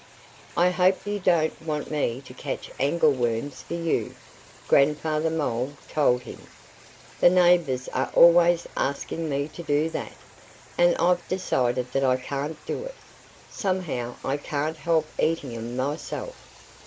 "I hope you don't want me to catch angleworms for you," Grandfather Mole told him. "The neighbors are always asking me to do that. And I've decided that I can't do it. Somehow I can't help eating 'em myself."